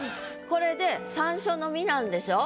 これで山椒の実なんでしょ？